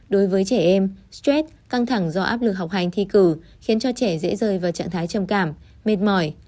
đối với trẻ em stress căng thẳng do áp lực học hành thi cử khiến cho trẻ dễ rơi vào trạng thái trầm cảm mệt mỏi